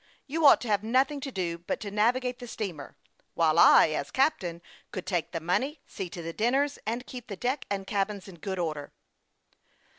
You ought to have nothing to do but to navigate the steamer ; while I, as captain, could take the money, see to the dinners, and keep the deck and cabins in good order."